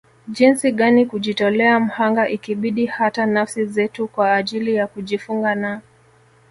Jinsi gani kujitolea mhanga ikibidi hata nafsi zetu kwa ajili ya kujifunga na